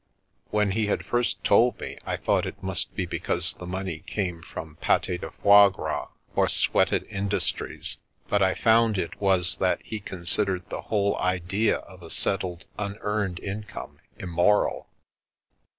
When he had first told me, I thought it must be because the money came from pate de foie gras or sweated in dustries, but I found it was that he considered the whole idea of a settled, unearned income, immoral.